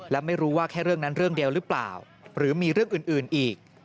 และไม่รู้ว่าแค่เรื่องนั้นเรื่องเดียวหรือเปล่าหรือมีเรื่องอื่นอีก